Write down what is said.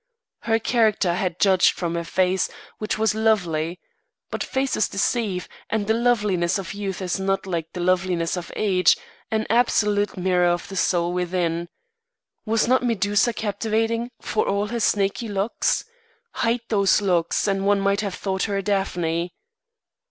Her character I had judged from her face, which was lovely. But faces deceive, and the loveliness of youth is not like the loveliness of age an absolute mirror of the soul within. Was not Medusa captivating, for all her snaky locks? Hide those locks and one might have thought her a Daphne.